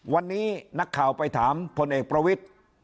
วันนี้นักข่าวไปถามพลเอกประวิทธิ์